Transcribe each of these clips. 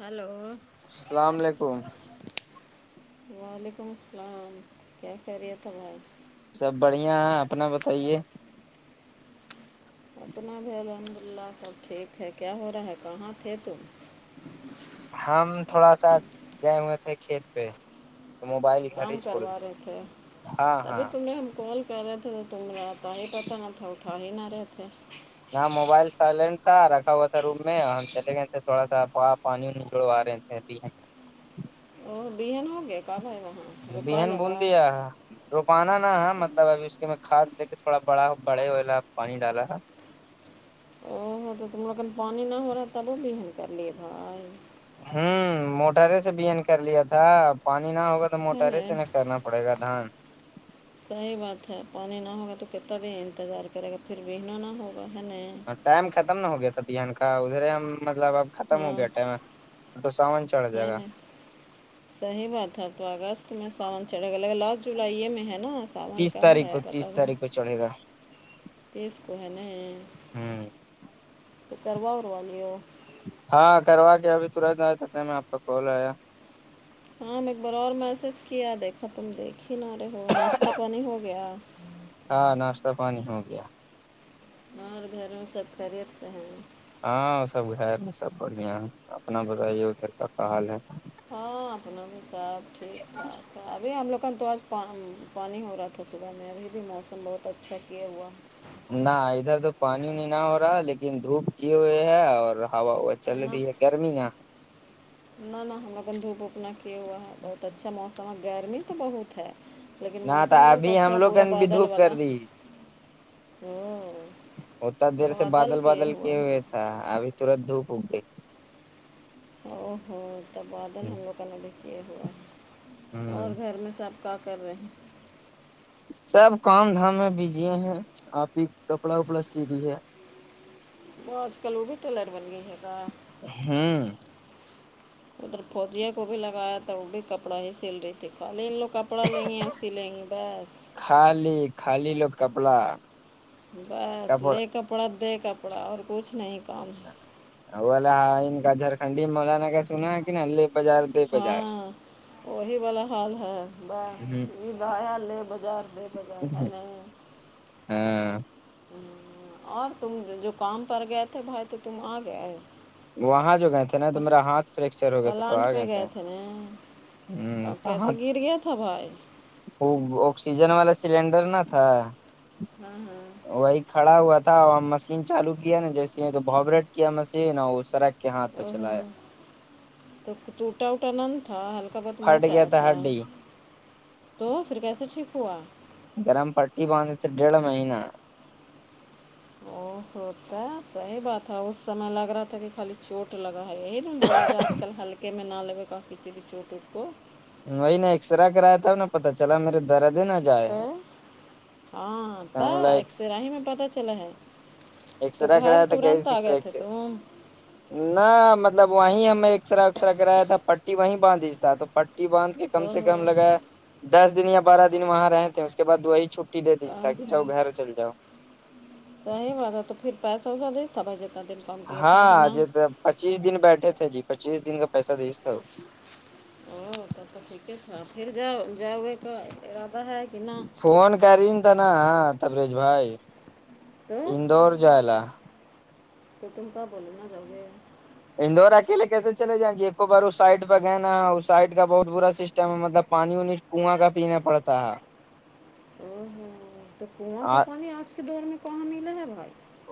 hello السلام علیکم وعلیکم السلام کیا خیت بھائی سب بڑھیا ہے اپنا بتائیے اپنا بھی الحمد للہ سب ٹیک ہے کیا ہو رہا ہے کہاں تھے تم ہم تھوڑا سا گئے ہوئے تھے کھیت پہ تو موبائل گھر کام ہی چھوڑ کروا دیے رہے تھے ہاں ابھی ہاں تم نے ہم کال پہ رہے تھے تو ت م ت ہی پتا نہ تھا اٹھا ہی نہ رہے تھے موبائل سائلنٹ تھا رکھا ہوا تھا روم میں ہم چلے گئے تھے تھوڑا سا پانی وانی جڑوا رہے تھے بھی ہے اور بین ہو گیا ک بھائی وہاں روپئے بیہین لگا بندیا روپانا نہا ہے مطلب ابھی اس کے میں کھاد دے کے تھوڑا بڑا بڑے ہولا پانی ڈالا ہے او ہو تو تم لوکن پانی نہ ہو رہا تبو بھین کر لیے بھائی ہوں موٹرے سے بیین کر لیا تھا پانی نہ ہوگا تو ہے موٹرے نا سے کرنا پڑے گا دھان صحیح بات ہے پانی نہ ہوگا تو کتنا دن انتظار کرے گا پھر بہنا نہ ہوگا ہے ٹائم ختم نہ ہو گیا تھا بہان کا ادھرے ہم مطلب اب ختم ہو ہاں گیا ٹم تو سامان چڑھ جائے ہے گا نا صحیح بات ہے اب تو اگست میں ساون چڑھے گ لگا لاسٹ جولائیے میں ہے نا سامان کبھ ہے بتا رہ چڑے گا تس کو ہے نا ہوں تو کروا اوا لو ہاں کروا کےیا ابھی ترنت آیا تو میں آپ کا کال آیا ہاں ایک بار اور میسج کیا دیکھا تم دیکھ ہی نہ رہے ہو ناشتہ پانی ہو گیا ہاں ناشتہ پانی ہو گیا اور گھر میں سب کرریت ص ہے ہاں سب گ سب بڑھیا ہے اپنا بتائیے ادھر کا کہ حل ہے ہاں اپنا بھی سب ٹھیک ٹھاک ابھی ہم لوگوں تو آج پانی ہو رہا تھا صبح میں ابھی بھی موسم بہت اچھا کیاے ہوا نہ ادھر تو پانی نہیں نہ ہو رہا لیکن دھوپ کیے ہوئے ہے اور ہوا ہوا چل نہ رہی ہے گرمی ہے نہ نہ ہم ل اپن دھوپ اوپ نہ کیے ہوا ہے بہت اچھا موسم گرمی تو بہت ہے لیکن نہ تو موسم بہت ابھی ہم اچھا لوگ پورا نے بھی بادل دھوپ کر والا دی اتا دیر سے بادل بادل ہوا کیے ہم ہوئے تھا لوگ ابھی ترت دھوپ اگ گئی او ہوو تب بادل ہم لوگ کا ن لکے ہوا ہے ہ اور گھر میں سب کا کر رہے ہیں سب کام دھام میں بجے ہیں آپ ہی کپڑا وپڑا سیھی ہے وہ آج کل وہ بھی ٹیلر بن گئی ہے ہاں ادھر فوجیوں کو بھی لگایا تھا وہ بھی کپڑا ہی سل رہی تھی خالی لوگ ک کپڑا لیں گےیا سی لیں گے بس خالی خالی لوگ کپڑا بس کپڑ لے کپڑا دے کپڑا اور کچھ نہیں کام ہے ہاں ان کا جرکھنڈی مولانا کا سنا ہے کہ الے بازار دے بازار ہاں وہی والا حال ہے ہوں لیا لے بازار [unintelligible] ہاں اور تم جو کام پر گئے تھے بھائی تو تم آ گیا ہے وہاں جو گئے تھے نا تو میرا ہاتھ فریکچر ہو گیا تھا تو پلانٹ آ گئے تھے کب کیسے ہ گر گیا تھا بھائی وہ آکسیجن والا سلینڈر نا تھا ہاں ہاں وہی کھڑا ہوا تھا اور ہم مشین چالو کیا نا جیسے ببریٹ کیا مشین اور سرک کے ہاتھ پہ چلایا ہاں تو ٹوٹا ووٹا نند تھا ہلکا بت موچ پھٹ گیا آیا تھا ہڈی تو پھر کیسے ٹھیک ہوا گرم پٹی باندے تھے ڈیڑھ مہینہ او ہوتا صحیح بات تھا اس سمے لگ رہا تھا کہ خالی چوٹ لگا ہے یہی نا بولا جائے آج کل ہلکے میں نہ لگے گا کسی بھی چوٹ ووٹ کو وہی نے ایکس رے کرایا تھا نہ پتا چلا میرے درد ہی نہ جائے تو ہم ہاں لائک ایکسر ہی میں پتا چلا ہے تو ایکسرا گھر کرایا تھا گیس ترنت کی آ گئے تھے فریکچر تو نہ مطلب وہیں ہمیں ایکسرے وکسرے کرایا تھا پٹی وہیں باندھ دی تھا تو پٹی باندھ او کم سے ہو کم لگا ا دس دن یا بارہ دن وہاں رہے تھے اس کے بع وہ وہی چٹی دے دیج تھا کہ جاؤ گھر چل جاؤ صی بات تھا تو پھر پیسہ وسا دتا بھائی جتنا دن کم کیا تھا کہ ہاں نہ ج پچیس دن بیٹھے ج پچیس دن کا پیسہ دےس تھا [inaudible] [inaudible] ہو تو ٹھیک ہے سنا پھر جاؤ جاؤ کا ارادہ ہے کہ نہ [unintelligible] [unintelligible] فون کری ن ت نا ہاں تبریج بھائی [unintelligible] [unintelligible] ہ اندور جالا ایک دم کااب ل ناازؤ گے [unintelligible] [unintelligible] اندور اکیلے کیسے چلے جائیں ج ایک بار اس سائڈ پہ گئے نا اس سائڈ کا بہت برا سسٹم ہے مطلب پانی و کنواں کا پینا پڑتا ہے او ہ تو کنواں کا ہے پانی آج کے دور میں کہاں ملے ہے بھائی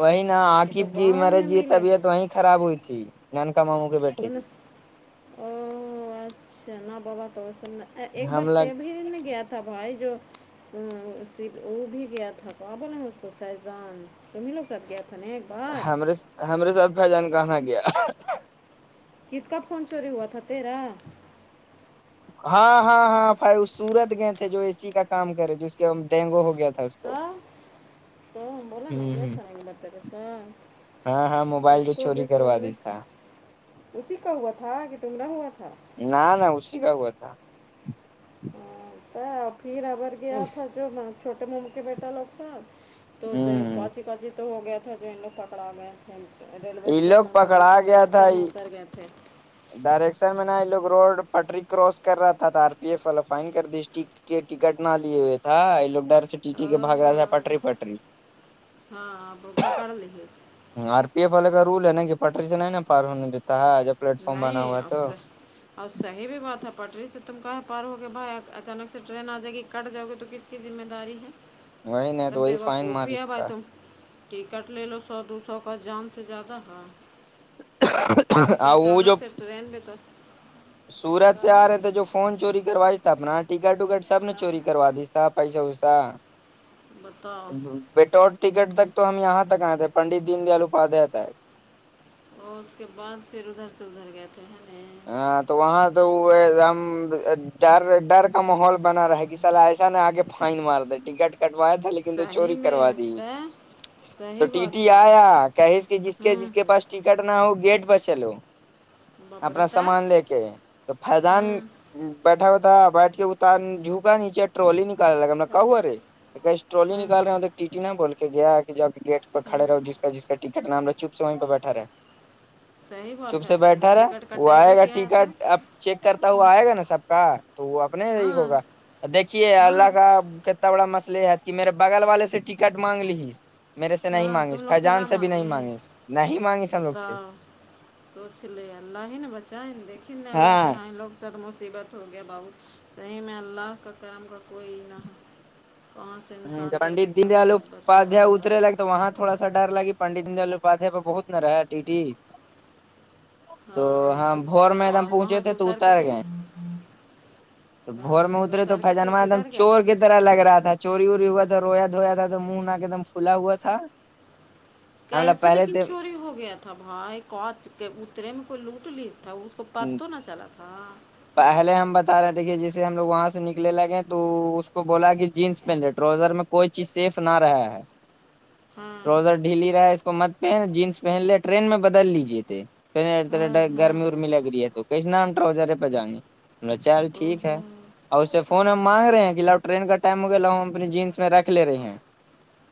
وہی نہا یہ تو عقب جی گاؤں مرے میں جی ملے طبیعت وہیں خراب ہوئی تھی نن کا ماموں کے بیٹے ان ا کی [unintelligible] [unintelligible] اچھا ن بابا تو وس ایک ہم لگ بار بھی نے گیا تھا بھائی جو [unintelligible] [unintelligible] وہ بھی گیا تھا پابا نے اس کو فیضان تو ملو کے ساتھ گیا تھا ن ر ہمرے سھ بھائی جان کہاں گیا کس کپ کوون چوری ہوا تھا تیرا ہاں ہاں ہاں پھائی وہ سورت گئے تھے جو اے سی کا کام کرے ج اسس کے ڈینگو ہو گیا تھا کو [unintelligible] تو [unintelligible] تو بولا نا ہوں گیر ہوں سان کے باتتا کیسا ہاں ہاں [unintelligible] موبائل اس جو کو بھی چوری کروا دی س تھا اسی کا ہوا تھا کہ تمرا ہوا تھا نہ نہ اسی کا ہوا تھا ہ پھر ابگر گیا تھا جو چھوٹے موم کے بیٹا لوگ تھ تو ہوں کاانچی کاچی تو ہو گیا تھا جو ان لوگ پکڑا گئے تھے ریلوے یہ لوگ اسٹیشن پر پکڑا اٹا گیا تھا ڈائریکشن میں اتر گئے تھے ڈائریکشن میں ن یہ لوگ روڈ پٹری کراس کر رہا تھا آر پی ایف والا فائن کر دی ٹ کہ ٹکٹ نہ لیے ہوئے تھا یہ لوگ ڈر سے ٹی او کے بھگ رہا ہو تھا پٹری پٹری ہاں آپ پکڑ لیے [unintelligible] [unintelligible] آر پی ایف والے کا رول ہے نا کہ پٹری سے ن ہے نا پار ہونے دیتا ہے جب پلیٹ فارم بنا نہیں ہوا اس تو سے [unintelligible] [unintelligible] اور صحیح بھی بات ہے پٹری سے تم کہہ پا رہ ہو کہ بھائی اچانک سے ٹرین آ جائے گی کٹ جاؤ گی تو کس کی ذمہ داری ہے وہی نہیں ر تو وہی بی فائن وقوف ہی مارش ابھائی تم تھا ٹکٹ لے لو سو دو سو کا جام سے زیادہ ہاں کہا کہ آ جو اچانک [unintelligible] سے [unintelligible] ٹرین میں تو [unintelligible] [unintelligible] سورت سے سب آ رہے ہے تھے جو فون چوری کروا تھا اپنا ٹکٹ وکٹ سب نے چوری کروا دی سا پیسہ ہوسا بتاؤ بیٹ ٹکٹ تک تو ہم یہاں تک آئےتے ہیں پنڈت د دیین دیال اپادیاتا ہے اور اس کے بعد پھر ادھر سے ادھر گئے تھے ہیں ن ہاں تو وہاں تو ڈ ڈرک [unintelligible] [unintelligible] کا ماحول بنا رہے گ سال ایسا آگے فائن مار د ٹکٹ کٹوایا تھا لیکن تو صحیح چوری میں کروا دی تے تو صحیح ٹی ٹی بات ہے آیا کہس کہ جس کے ہاں جس کے پاس ٹکٹ نہ ہو گیٹ پر چلو باپرے اپنا تا سامان لے کے تو فیضان ہاں بیٹھا ہوا تھا بیٹھ کے اتار جھوکا نیچے ٹرالی نکالنے لگا ہم نے ہاں کہ ہوا اے ٹرالی ہاں نکال رہے ہیں تو ٹی نہا بول کے گیا کہ جب گیٹ پہ ہاں کھے رہے ہو جس کا جس کا ٹکٹ نام رہ چپ سے وہیں پہ بیٹھا رہا صحیح چپ بات ہے سے جب بیٹھا رہا ٹکٹ ک وہ آئے گا ٹیکٹ اب چیک کرتا ہوا آئے گا نا سب کا تو وہ اپنے ہاں ہوگا دیکھیے ہاں اللہ کا کتنا بڑا مسئلہ یہ ہے کہ میرے بغل والے سے ٹکٹ مانگ لی میرے سے نہیں ہاں تم مانگس لوگ نہ فیجان سے بھی نہیں مانگیں مانگس نہیں مانگس ہم لوگ سے بتاؤ سوچ لے اللہ ہیی ن بچہ ہے دھی ن اللہ کی ہاں یہ لوگ سد مصیبت ہو گیا بو صحی میں اللہ کا کرم کا کوئی نہ کہاں سے انسان پر پنڈت دین کتنا دیال رحمت بسا اپادھیائے محلہ اترے لگے تو وہاں تھوڑا سا ڈر لگی پنڈت د دل الواادیا پ بہت نرایا ٹی تو ہاں بور میدم اور پہنچے وہاں تھے سے تو کے اتار پھر گئے تو بور ہاں میں اترے تو اتار کے پھر فجانا دم کدھر گئے چور کے طرح لگ رہا تھا چوری ووری ہوا تھا رویا دھویا تھا تو منہ ن کے ایک دم پھلا ہوا تھا ہم لوگ کیسے پہلے لیکن تھے چوری ہو گیا تھا بھائی کوت اترے میں کوئی لوٹ لی تھا اس کو پت تو نہ چلا تھا پہلے ہم بتا رہے تھے کہ جسے ہم لوگ وہاں سے نکلنے لگے تو اس کو بولا کہ جینس پہن لے ٹراؤزر میں کوئی چیز سیف نہ رہا ہے ہاں ٹروزر ڈھیلی رہا ہے اس کو مت پہن جینس پہن لے ٹرین میں بدل لیجے تھے پ ہاں طرح ہاں گرمی ارمی لگ رہی ہے تو کس نٹ رہے پہ جائیں گے چل او ٹھیک ہے ہو اور اس سے ہاں فون ہم مانگ رہ ہیں کہ لو ٹرین کا ٹائم ہو گیا لو ہم اپنی جینس میں رکھ لے رہی ہیں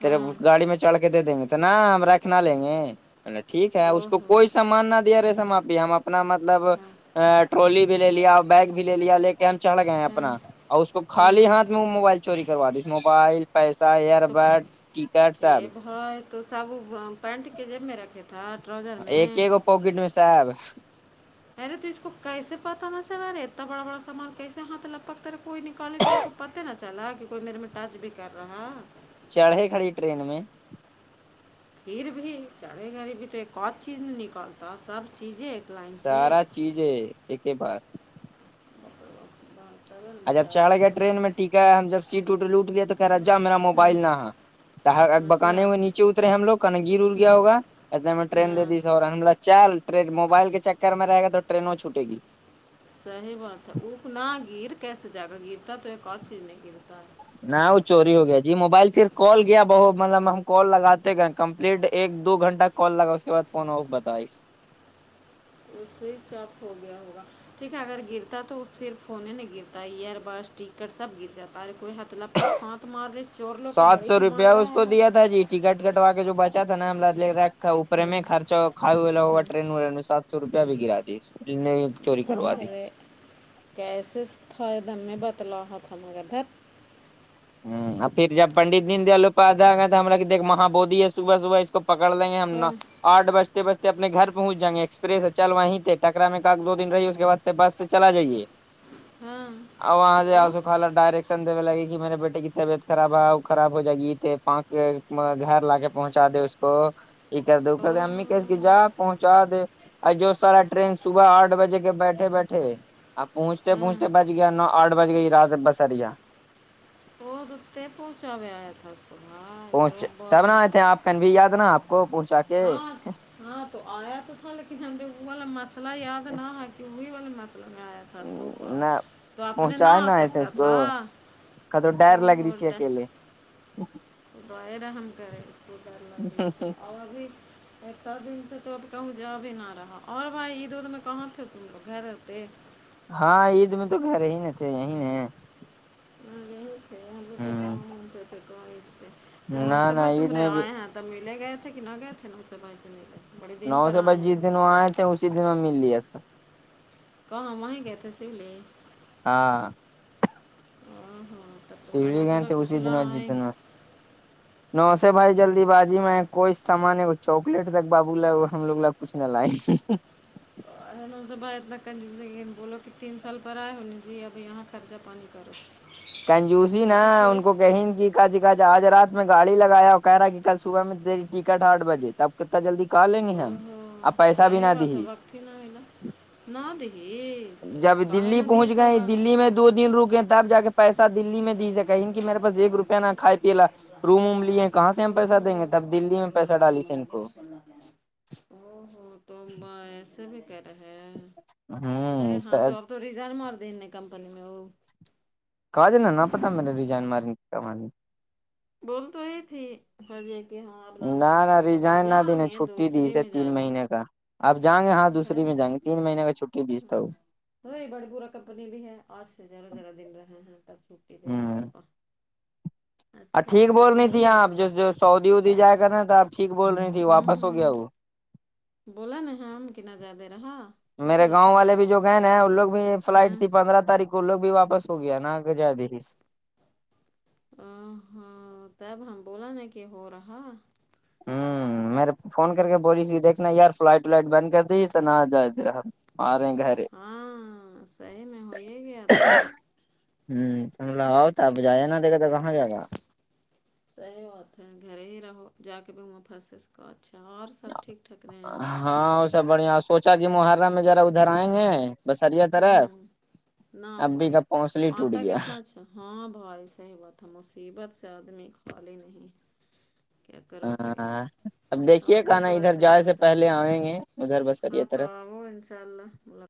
تیرے ہاں گاڑی میں چڑھ کے دے دیں گے تو نا ہم رکھنا لیں گے ٹھیک ہے اس او کو ہو کوئی سامان نہ دیا رہے سم آپی ہم اپنا مطلب ہاں ٹولی بھی لے لیا بیگ بھی لے لیا لے کے ہم چڑھ گئے ہیں ہاں اپنا اور اس کو ہاں خالی ہاتھ میں وہ موبائل چوری کروا دیس موبائل پیسہ ایئر بڈس ٹکٹ ا سب بھائی تو سابو پینٹ کے جب میں رکھے تھا ٹرزر ایک گو پاکٹ میں صاحب ارے تو اس کو کیسے پت نا سر اارے اتنا بڑا بڑا سامان کیسے ہاتھ لگپکتا رہے کوئی نکالے س اس کو پتہ نہ چلا کہ کوئی میرے میں ٹچ بھی کر رہا چڑھے کھڑی ٹرین میں پھر بھی چلے گای بھی تو ایک کت چیز نہیں نکلتا سب چیزیں لائن سے سارا چیز ہے ایک ہی بار جب بیچارہ چڑھ آپ کو تو گیاٹرین میں ٹھیک ہے ہم جب سیٹ لوٹ گئے تو کہہ رہا جا ما ہاں موبائل نہا ا مزہ بکانے ہوئے نیچے اترے ہیں ہم لوگ کنگیر ار ہاں گیا ہوگا اتنے میں ٹرین دے ہاں دی اور چل ٹرین موبائل کے چکر میں رہے گا تو ٹرینوں چھوٹے گی صحیح بات ہے اکنا گر کیسے جاگا گرتا تو ایک اور چیز نہیں گرتا نہ وہ چوری ہو گیا جی موبائل پھر کال گیا بت مطلب کال لگاتے گ کمپلیٹ ایک دو گھنٹہ کال لگا اس کے بع فون بتائی اس سے چاپ ہو گیا ہوگا ٹھیک ہے اگر گرتا ہے تو پھر فھنے نہیں گرتا ایئر بس ٹکر سب گر جا ہے کوئی تلپا ہاتھ مار رہے چور لوگ کو سات بڑی سو روپیہ دماغ اس رہا کو ہے دیا تھا جی ٹکٹ کٹو کے جو بچا تھا ن ل لر میں خرچا کا ہواٹرین رہات سو روپیہ بھی گرا دی نے چوری کروا دی کیسز تھ ایک دم میں بتلو ہوت ہم ادھر ہ اور پھر جب پنڈت دین دیالوپاد ہم لگ دیک مہ بوودھی ہے صبح صبح اس کو پکڑ لیں گے ہم نہا ہاں آٹ بجتے بجتے اپنے گھر پہنچ جیں گے ایکسپریس ہے چل وہیں تھ ٹرا میں کا دو دن رہی اس کےعد بس سے چلا جائیے ہاں اور وہاں سے تو آسو خالا ڈائریکشن دینے لگے کہ میرے بیٹے کی طبیعت خراب ہے وہ خراب ہو جائے گیے پان گھر لا کے پہنچا دے اس کو یہ کر د ا او کر امی ہو کہس کہ جاپ پہنچا دے جو سارا ٹرین صبح آٹھ بجے کے بیٹھے بیٹھے آ پہنچتے ہاں پہنچتے بج گیا نو آٹھ بج گئی رااز بسریا وہ رتے پہنچاوے آ تھاس تو میں تو پہنچ ب تب نہ آئے تھے آپ کن بھی یاد نا آپ کو پہنچا کے ہاں ہاں تو آیا تو تھا لیکن ہم نے وہ والا مسئلہ یاد نہ آ کہ وہی والے مسئلہ میں آیا تھا تھا تو نہ تو اپنے نہ آ سکتا تھا ک تو ڈر او لگ رہیھی ا کےے تورا ہم کریں اسک کر لگی اور ابھی اتنا دن سے تو اب کہ جا بھی ہی نہ رہ اور بھائی عید اید میں کہاں تھ تم لوگ گھر اتے ہاں عید میں تو گھر ہی ن تھے یہیں ہ یہمتے تھے نہ ن سے نہ بائی تم عید رے میں بھی آئے تب ملے گئے تھے کہ نہ گئے تھے نا اس سےبائائیس سے م تھے نو سے بس جس دن وہاں آئے تھے اسی دن میں مل رہیا اس کا کاں مہ گئے تھسی بول ہاں تو انانا سیڑھی سےب گئے تھے کچھ اسی لئ نو سےے بھائی جلدی بازی میں کوئی سامان ہے چواکلیٹ تک بابو ہم لوگ لگ کچھ لائ سب با اتنا کن بولو کہ تین سال پر آئے ہونے چاہیے اب یہاں خرچہ پانی کرو کنجوسی نا ایسے تھوڑی ان کو کہیں کہ جا آج رات میں گاڑ لگیا اور کہہ رہا کہ کل صبح میں دری ٹکٹ آٹھ بجے تب کتنا جلدی کہ لیں گے ہم اوہو اپ پیسہ بھی صحیح نہ دی بات ہے وقت نہ دھیے جب دلی پہنچ گئے دللی میں دو دن رکے تب جا کے پیسہ دللی میں دیج جائے گا کہ میرے پا ایک روپیہ نا کھائے پیلاا روم ووم لیے کہاں سے ہم پیسہ دیں اوہو گے تب دللی میں پیسہ ڈالیسے ان کو ال او ہو تو ایسے بھی کر رہے ہیں ارے ہوں ہاں تو آپ تو ریزرن مار ان نے کمپنی میں وہ کاج نا پتہ میرا ریزائن ماری بول تو یہ تھی ایک نہ نہ ریزائن نہ دینے چھٹی دی دوسرے اسے میں تین جائیں گے مہینے کا آ جائیں گے ہاں ہے دوسری میں جائیں گے نا تین مہینے کا چھٹی دیجتا ہوں بڑی با کمپنی بھی ہے آج سے را ذرا دن رہا ہیں چھٹی دے ہے ہوں تو آ اچھا ہاں ٹھیک تو بول رہی وہیں تھیاں جا کے آپ میں ج سعودی وودی جائے کر نا تو آپ ٹھیک بول رہی تھی ہوں واپس ہو گیا ہوں وہ بولا ن ہم کنا زیادے رہا کا میرے بولا گاؤں تھا والے بھی جو گئےن ہیں ان لوگ بھی فلائٹ ہاں تھی پندرہ تاریخ کو لو بھی واپس ہو گیا نا جد ہاں اب ہم بولا نا کہ ہو رہا ہوں میں نے فون کر کے بولی ت کہ دیکھنا یار فلائٹ ولائٹ بند کر دی نہ جا رہا مارے ہیں گھر ہاں صی میں ہو ہی گیا تھا تومل آؤ تب جایا نا دیکھا تو کہاں جائے گا صحی بات ہے گھر ہی رہو جا کے بھی وہاں پھنسے سک اچھا اور سب ٹھیک ٹھاک رہے ہیں ہاں وہ سب بڑھیا سوچا کہ محرہ میں ذرا ادھر آئیں گے بسریا طر ہوں نہ اببھی پائے کاب پوننسل ہی ٹوٹ آتا گیا کتنا اچھا ہاں بھائی صحی بات ہے مصیبت سے آدمی خالی نہیں کیا کرو گے ہاں اب دیکھیے آتے کہ نا تو ادھر اچھا ہی جائے سے رہتا ہے پہلے آئیں گے ادھر بسر ہاں یہ تو طرف آؤ انشاء اللہ